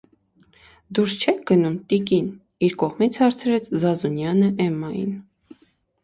- Դուրս չե՞ք գնում, տիկին,- իր կողմից հարցրեց Զազունյանը էմմային: